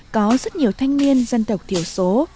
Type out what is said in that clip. có rất nhiều thanh niên dân tộc thiểu số